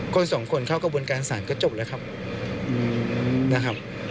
คนสองคนเข้ากระบวนการศาลก็จบแล้วครับนะครับ